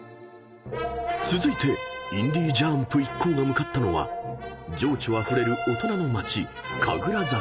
［続いてインディ・ジャーンプ一行が向かったのは情緒あふれる大人の街神楽坂］